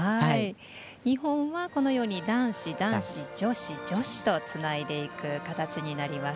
日本は男子、男子、女子、女子とつないでいく形になります。